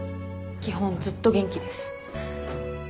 基本ずっと元気です。